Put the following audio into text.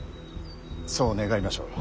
そう願いましょう。